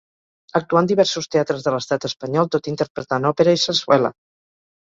Actuà en diversos teatres de l'Estat espanyol tot interpretant òpera i sarsuela.